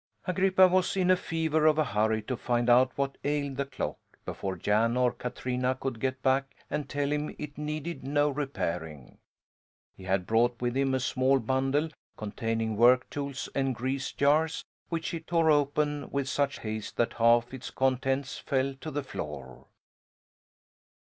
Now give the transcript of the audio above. Agrippa was in a fever of a hurry to find out what ailed the clock, before Jan or Katrina could get back and tell him it needed no repairing. He had brought with him a small bundle, containing work tools and grease jars, which he tore open with such haste that half its contents fell to the floor.